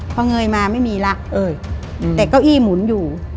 พอเงยมาไม่มีแล้วแต่เก้าอี้หมุนอยู่